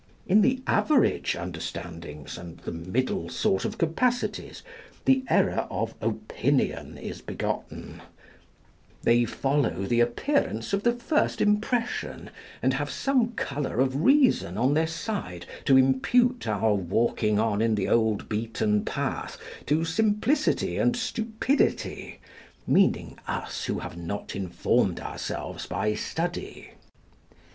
In the average understandings and the middle sort of capacities, the error of opinion is begotten; they follow the appearance of the first impression, and have some colour of reason on their side to impute our walking on in the old beaten path to simplicity and stupidity, meaning us who have not informed ourselves by study.